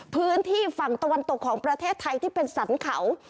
พื้นที่ฝั่งตะวันตกของประเทศไทยที่เป็นสรรเขา